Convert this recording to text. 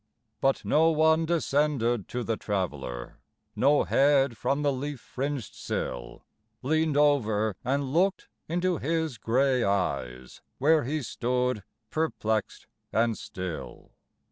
But no one descended to the Traveler; No head from the leaf fringed sill Leaned over and looked into his gray eyes, Where he stood perplexed and still.